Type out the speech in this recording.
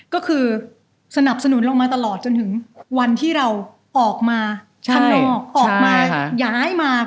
ก็คือสนับสนุนเรามาตลอดจนถึงวันที่เราออกมาข้างนอกออกมาย้ายมา